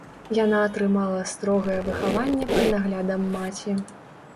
Яна атрымала строгае выхаванне пад наглядам маці.